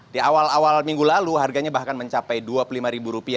di awal awal minggu lalu harganya bahkan mencapai rp dua puluh lima